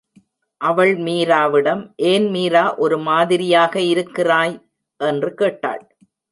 அவள் மீராவிடம், ஏன் மீரா ஒரு மாதிரியாக இருக்கிறாய்? என்று கேட்டாள்.